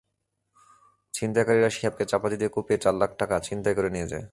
ছিনতাইকারীরা শিহাবকে চাপাতি দিয়ে কুপিয়ে চার লাখ টাকা ছিনতাই করে নিয়ে যায়।